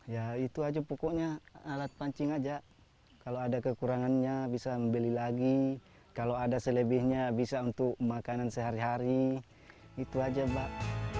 ya itu aja pokoknya alat pancing aja kalau ada kekurangannya bisa membeli lagi kalau ada selebihnya bisa untuk makanan sehari hari gitu aja mbak